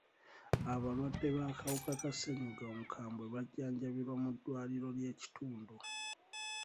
Abalwadde b'akawuka ka ssenyiga omukambwe bajjanjabirwa mu ddwaliro ly'ekitundu.